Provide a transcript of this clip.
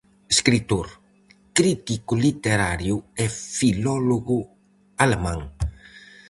Escritor, crítico literario e filólogo alemán.